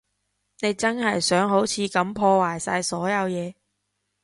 你真係想好似噉破壞晒所有嘢？